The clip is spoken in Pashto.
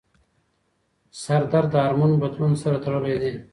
سردرد د هارمون بدلون سره تړلی دی.